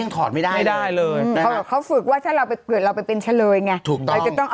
แล้วตอนนอนนี่คือการหนีกินกลางซ้ายจริง